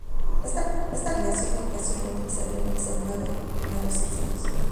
Esta compilación incluye remixes de nueve de sus primeros sencillos.